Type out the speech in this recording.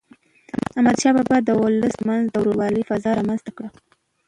احمدشاه بابا د ولس تر منځ د ورورولی فضا رامنځته کړه.